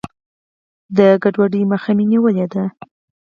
د ګډوډیو مخه یې نیولې ده.